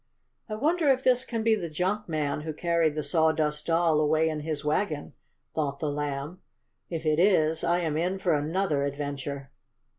"I wonder if this can be the junkman who carried the Sawdust Doll away in his wagon," thought the Lamb. "If it is I am in for another adventure!"